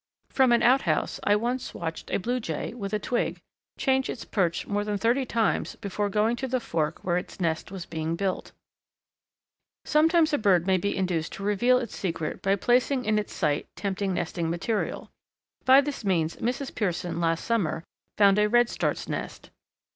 From an outhouse I once watched a Blue Jay, with a twig, change its perch more than thirty times before going to the fork where its nest was being built. Sometimes a bird may be induced to reveal its secret by placing in its sight tempting nesting material. By this means Mrs. Pearson last summer found a Redstart's nest.